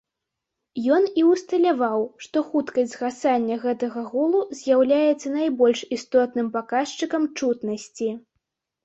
Ён і ўсталяваў, што хуткасць згасання гэтага гулу з'яўляецца найбольш істотным паказчыкам чутнасці.